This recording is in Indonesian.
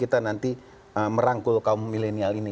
kita nanti merangkul kaum milenial ini